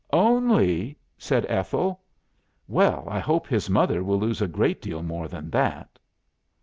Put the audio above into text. "'Only!' said Ethel. 'Well, I hope his mother will lose a great deal more than that.